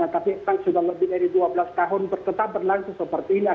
tapi kan sudah lebih dari dua belas tahun tetap berlangsung seperti ini